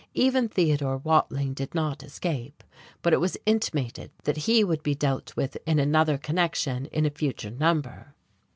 Even Theodore Watling did not escape, but it was intimated that he would be dealt with in another connection in a future number.